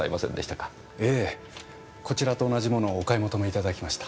ええこちらと同じ物をお買い求めいただきました。